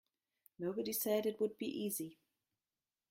Nobody said it would be easy.